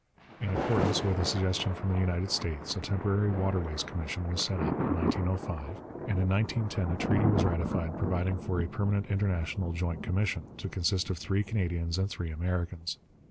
In accordance with a suggestion from the United States a temporary Waterways Commission was set up (1905); and in 1910 a treaty was ratified providing for a permanent International Joint Commission, to consist of three Canadians and three Americans.